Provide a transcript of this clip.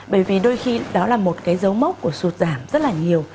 bởi vì đôi khi đó là một cái dấu mốc của sụt giảm rất là nhiều